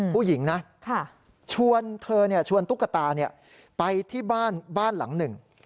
ผู้หญิงนะชวนเธอชวนตุ๊กตาไปที่บ้านหลังหนึ่ง